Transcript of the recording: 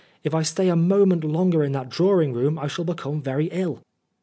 If I stay a moment longer in that drawing room, I shall become very ill."